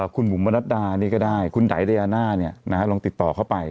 คุณหมุมมรัฐดานี่ก็ได้คุณไดยาณาเนี่ยนะฮะลองติดต่อเข้าไป